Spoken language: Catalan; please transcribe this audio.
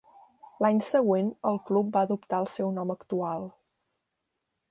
L'any següent el club va adoptar el seu nom actual.